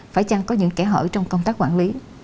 phải chăng có những kẻ hở trong công tác quản lý